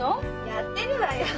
やってるわよ。